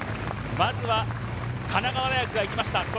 まずは神奈川大学が行きました。